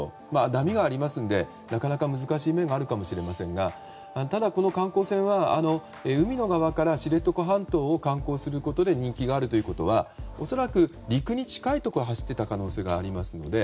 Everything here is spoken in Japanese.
波がありますのでなかなか難しい面もあるかもしれませんがただこの観光船は海の側から知床半島を観光することで人気があるということは恐らく、陸に近いところを走っていた可能性がありますので